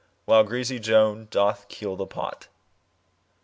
While greasy Joan doth keel the pot.